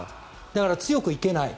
だから、強く行けない。